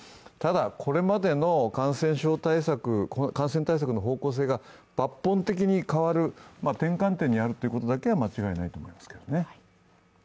ただ、これまでの感染対策の方向性が抜本的に変わる転換点にあることだけは間違いないと思います。